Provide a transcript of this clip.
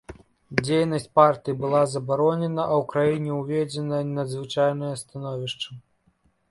Дзейнасць партый была забаронена, а ў краіне ўведзена надзвычайнае становішча.